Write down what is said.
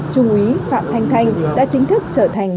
trung úy phạm thanh thanh đã chính thức trở thành